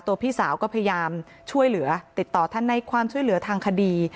พี่สาวก็พยายามช่วยเหลือติดต่อท่านให้ความช่วยเหลือทางคดี